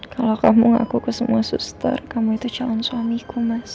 kalau kamu ngaku ke semua suster kamu itu calon suamiku mas